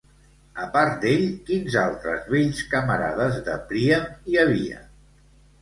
A part d'ell, quins altres vells camarades de Príam hi havia?